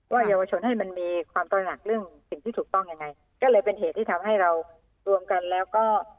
เยาวชนให้มันมีความตระหนักเรื่องสิ่งที่ถูกต้องยังไงก็เลยเป็นเหตุที่ทำให้เรารวมกันแล้วก็